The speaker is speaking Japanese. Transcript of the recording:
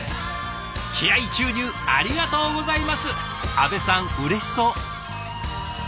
阿部さんうれしそう！